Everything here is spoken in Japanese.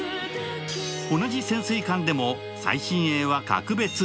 同じ潜水艦でも、最新鋭は格別。